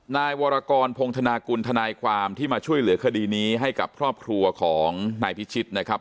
นายวรกรพงธนากุลทนายความที่มาช่วยเหลือคดีนี้ให้กับครอบครัวของนายพิชิตนะครับ